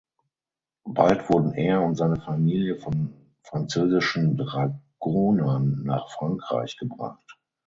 Bald wurden er und seine Familie von französischen Dragonern nach Frankreich gebracht.